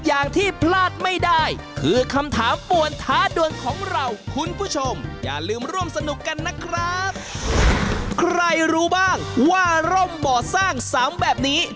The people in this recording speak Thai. อย่างถ้าเขามาเดินโทรศัพท์รบกวนคนอื่น